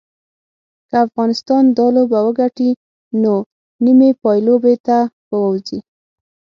که افغانستان دا لوبه وګټي نو نیمې پایلوبې ته به ووځي